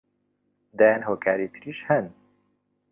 دەیان هۆکاری تریش هەن